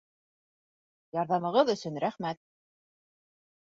Ярҙамығыҙ өсөн рәхмәт!